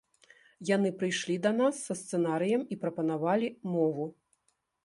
Яны прыйшлі да нас са сцэнарыем і прапанавалі мову.